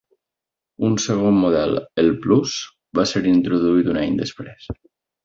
Un segon model, el "Plus", va ser introduït un any després.